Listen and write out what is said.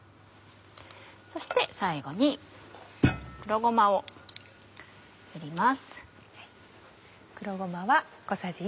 そして最後に黒ごまを振ります。